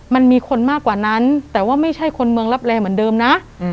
มันมีคนมากกว่านั้นแต่ว่าไม่ใช่คนเมืองรับแร่เหมือนเดิมนะ